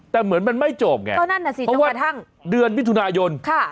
แต่เหมือนมันไม่จบไงก็นั่นน่ะสิเพราะว่าทั้งเดือนมิถุนายน